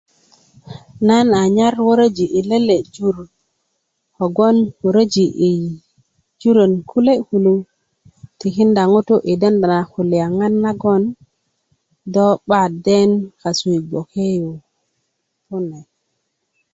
nan a nyar wöröji' yi lele' jur kogboŋ wöröj' yi jurön kule' kulo tikinda ŋutu' i denda na kulyaŋan nagon do 'ba den kasu i gboke yu kune